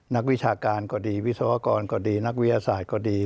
วิชาการก็ดีวิศวกรก็ดีนักวิทยาศาสตร์ก็ดี